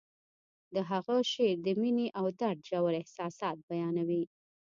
د هغه شعر د مینې او درد ژور احساسات بیانوي